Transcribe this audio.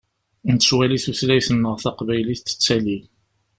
Nettwali tutlayt-nneɣ taqbaylit tettali.